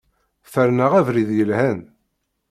Ferneɣ abrid yelhan.